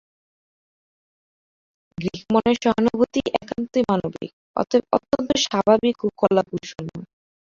Greek মনের সহানুভূতি একান্তই মানবিক, অতএব অত্যন্ত স্বাভাবিক ও কলাকৌশলময়।